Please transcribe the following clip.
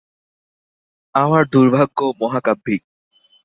আমার দুর্ভাগ্য মহাকাব্যিক।